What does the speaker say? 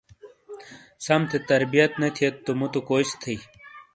سم تھے تربیت نہ تھئیت تو مٌوتو کوئی سے تھئیی؟